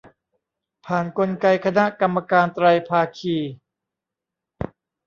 ผ่านกลไกคณะกรรมการไตรภาคี